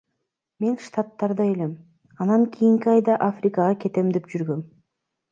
Мен Штаттарда элем, анан кийинки айда Африкага кетем деп жүргөм.